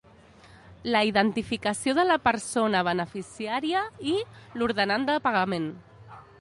La identificació de la persona beneficiària i l'ordenant del pagament.